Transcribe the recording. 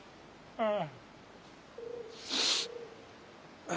うん？